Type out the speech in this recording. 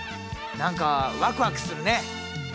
何かワクワクするね。